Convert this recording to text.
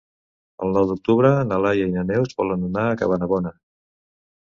El nou d'octubre na Laia i na Neus volen anar a Cabanabona.